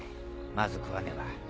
まず食わねば。